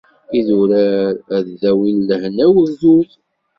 Idurar ad d-awin lehna i ugdud.